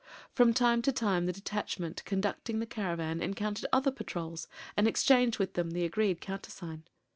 From time to time the detachment conducting the caravan encountered other patrols and exchanged with them the agreed countersign.